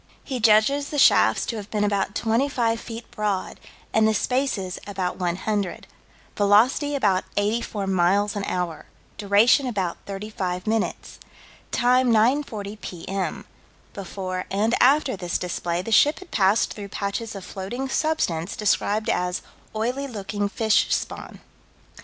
He judges the shafts to have been about 25 feet broad, and the spaces about 100. Velocity about 84 miles an hour. Duration about 35 minutes. Time 9:40 P.M. Before and after this display the ship had passed through patches of floating substance described as "oily looking fish spawn."